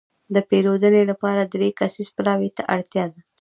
د پېرودنې لپاره دری کسیز پلاوي ته اړتياده.